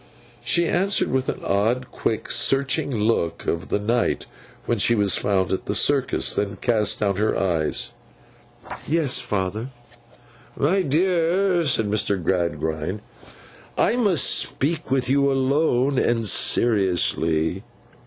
She answered with the old, quick, searching look of the night when she was found at the Circus; then cast down her eyes. 'Yes, father.' 'My dear,' said Mr. Gradgrind, 'I must speak with you alone and seriously.